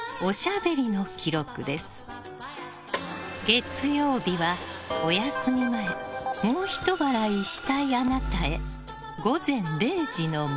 月曜日は、お休み前もうひと笑いしたいあなたへ。